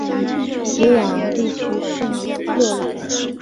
鲁瓦昂地区圣洛朗。